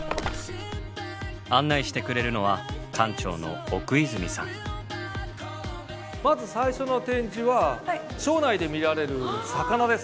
案内してくれるのはまず最初の展示は庄内で見られる魚です。